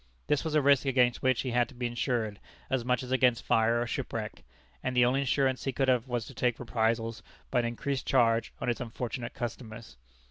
This was a risk against which he had to be insured, as much as against fire or shipwreck. And the only insurance he could have was to take reprisals by an increased charge on his unfortunate customers.